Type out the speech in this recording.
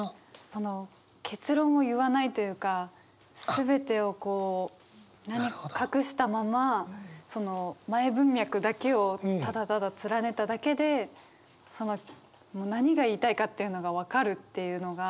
その結論を言わないというか全てを隠したまま前文脈だけをただただ連ねただけでもう何が言いたいかっていうのが分かるっていうのが。